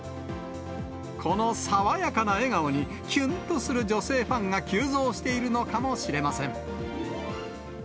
この爽やかな笑顔にきゅんとする女性ファンが急増しているのかもしれません。